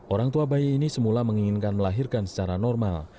orang tua bayi ini semula menginginkan melahirkan secara normal